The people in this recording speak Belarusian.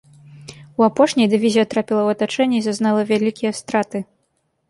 У апошняй дывізія трапіла ў атачэнне і зазнала вялікія страты.